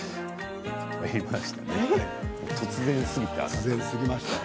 突然すぎましたね。